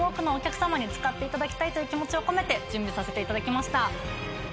使っていただきたいという気持ちを込めて準備させていただきました。